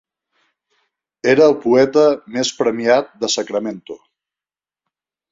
Era el poeta més premiat de Sacramento.